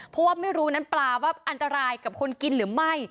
เพราะว่าไม่รู้นั้นปลาว่าอันตรายกับคนกินหรือไม่